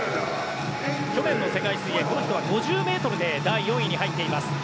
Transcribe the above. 去年の世界水泳、この人は５０ｍ第４位に入っています。